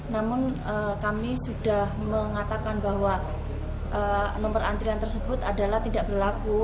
namun kami sudah mengatakan bahwa nomor antrian tersebut adalah tidak berlaku